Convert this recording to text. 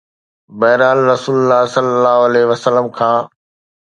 بهرحال، رسول الله ﷺ کان